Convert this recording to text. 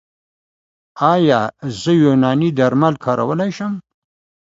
ایا زه یوناني درمل کارولی شم؟